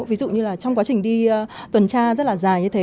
ví dụ như là trong quá trình đi tuần tra rất là dài như thế